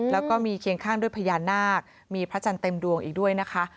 แล้วก็มีเคียงข้างด้วยพญานาคมีพระจันทร์เต็มดวงอีกด้วยนะคะ